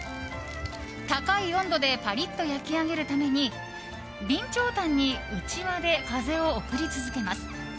高い温度でパリッと焼き上げるために備長炭にうちわで風を送り続けます。